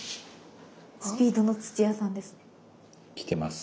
スピードの土屋さんですね。